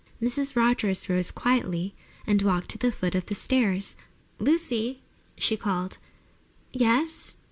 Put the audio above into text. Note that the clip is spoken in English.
Mrs. Rogers rose quietly and walked to the foot of the stairs. "Lucy! Lucy!" she called. "Yes!"